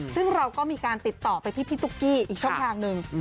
ซึ่งเราก็มีการติดต่อไปที่พี่ตุ๊กกี้อีกช่องทางหนึ่ง